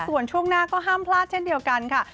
ส่วนช่วงหน้าก็ห้ามพลาดเช่นเดียวกันค่ะ